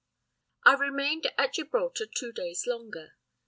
"I remained at Gibraltar two days longer.